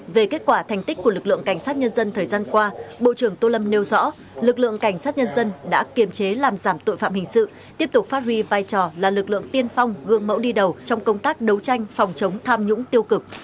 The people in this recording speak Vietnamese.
về kết quả thành tích của lực lượng cảnh sát nhân dân thời gian qua bộ trưởng tô lâm nêu rõ lực lượng cảnh sát nhân dân đã kiềm chế làm giảm tội phạm hình sự tiếp tục phát huy vai trò là lực lượng tiên phong gương mẫu đi đầu trong công tác đấu tranh phòng chống tham nhũng tiêu cực